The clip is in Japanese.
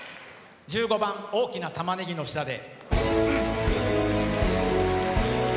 １５番「大きな玉ねぎの下で」。